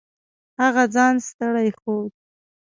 هغه ځان ستړی ښود.